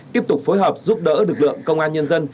tiếp tục phối hợp giúp đỡ lực lượng công an nhân dân